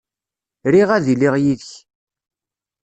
Riɣ ad iliɣ yid-k.